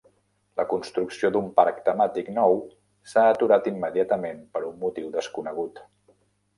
La construcció d'un parc temàtic nou s'ha aturat immediatament per un motiu desconegut.